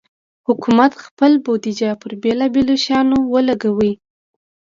حکومت خپل بودیجه پر بېلابېلو شیانو ولګوي.